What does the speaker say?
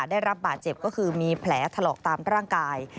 ได้รับบาดเจ็บก็คือมีแผลถลอกตามร่างกาย